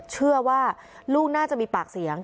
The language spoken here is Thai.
เชื่อว่าลูกน่าจะมีปากเสียง